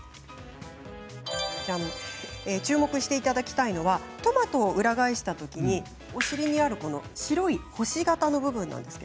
注目していただきたいのはトマトを裏返したときにお尻にある白い星形の部分です。